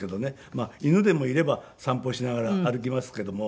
まあ犬でもいれば散歩しながら歩きますけども。